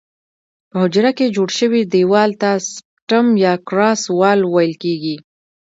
په حجره کې جوړ شوي دیوال ته سپټم یا کراس وال ویل کیږي.